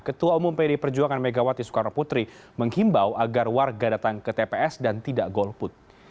ketua umum pd perjuangan megawati soekarno putri menghimbau agar warga datang ke tps dan tidak golput